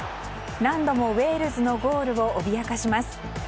何度もウェールズのゴールを脅かします。